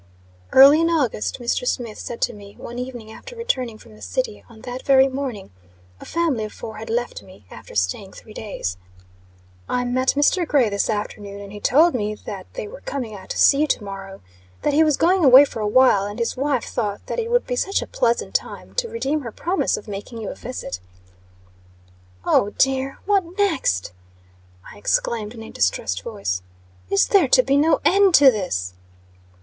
Early in August, Mr. Smith said to me, one evening after returning from the city on that very morning, a family of four had left me, after staying three days "I met Mr. Gray this afternoon, and he told me that they were coming out to see you to morrow. That he was going away for a while, and his wife thought that it would be such a pleasant time to redeem her promise of making you a visit." "Oh dear! What next!" I exclaimed in a distressed voice. "Is there to be no end to this?"